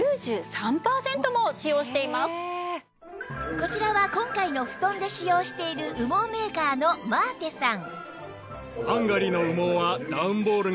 こちらは今回の布団で使用している羽毛メーカーのマーテさん